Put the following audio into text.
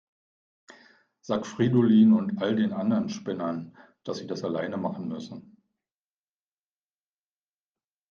Sag Fridolin und all den anderen Spinnern, dass sie das alleine machen müssen.